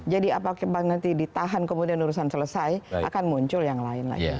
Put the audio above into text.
jadi apakah nanti ditahan kemudian urusan selesai akan muncul yang lain lagi